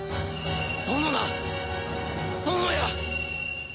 ソノナソノヤ！